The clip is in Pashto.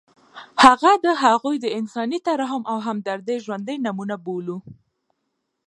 هغه د هغوی د انساني ترحم او همدردۍ ژوندۍ نمونه بولو.